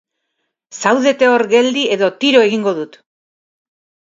Zaudete hor geldi edo tiro egingo dut!